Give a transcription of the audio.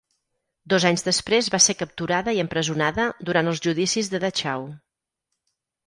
Dos anys després va ser capturada i empresonada durant els judicis de Dachau.